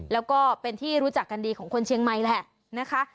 แล้วก็เป็นที่รู้จักกันดีของคนเชียงใหม่แหละนะคะ